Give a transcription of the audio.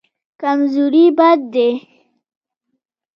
کمزوري بد دی.